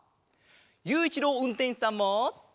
ゆういちろううんてんしさんも！